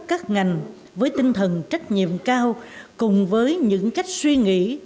các ngành với tinh thần trách nhiệm cao cùng với những cách suy nghĩ